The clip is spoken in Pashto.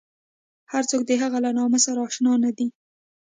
هر څوک د هغې له نامه سره اشنا نه دي.